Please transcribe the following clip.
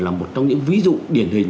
là một trong những ví dụ điển hình